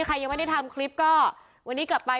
ถ้าคุณทำคลิปก็วันนี้กับไป